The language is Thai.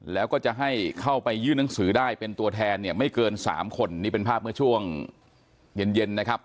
แล้วก็จะให้เข้าไปยื่นหนังสือได้เป็นตัวแทนเนี่ยไม่เกิน๓คนนี่เป็นภาพเมื่อช่วงเย็นเย็นนะครับ